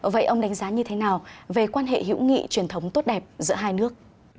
vậy ông đánh giá như thế nào về quan hệ hữu nghị truyền thống tốt đẹp giữa hai nước